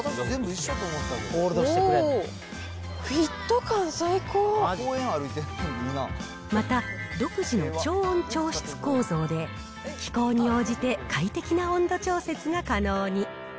おー、また、独自の調温調湿構造で、気候に応じて快適な温度調節が可能に。